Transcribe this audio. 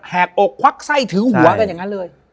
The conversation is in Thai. ออกควักไส้ถือหัวกันอย่างนั้นเลย